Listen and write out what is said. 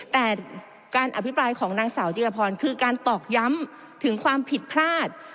แต่การอภิปรายของนางสาวจิรพรคือการตอกย้ำถึงความผิดพลาด